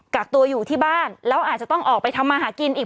กักตัวอยู่ที่บ้านแล้วอาจจะต้องออกไปทำมาหากินอีก